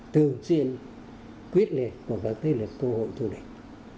thường xuyên quyết liệt của các thế lực cơ hội thù địch